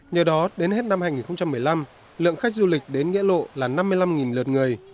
nhờ đó đến hết năm hai nghìn một mươi năm lượng khách du lịch đến nghĩa lộ là năm mươi năm lượt người